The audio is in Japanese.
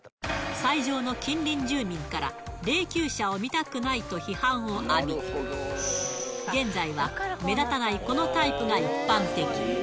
斎場の近隣住民から、霊きゅう車を見たくないと批判を浴び、現在は、目立たないこのタイプが一般的。